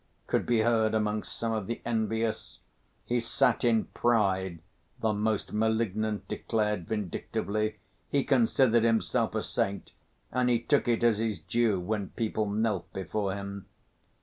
could be heard among some of the envious. "He sat in pride," the most malignant declared vindictively; "he considered himself a saint and he took it as his due when people knelt before him."